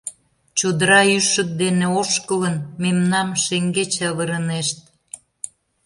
— Чодыра ӱшык дене ошкылын, мемнам шеҥгеч авырынешт.